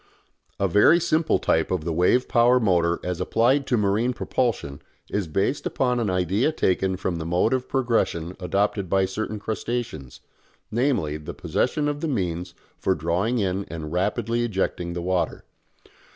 A very simple type of the wave power motor as applied to marine propulsion is based upon an idea taken from the mode of progression adopted by certain crustaceans, namely the possession of the means for drawing in and rapidly ejecting the water.